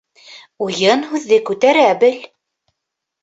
Уйын һүҙҙе күтәрә бел.